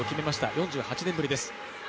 ４８年ぶりです。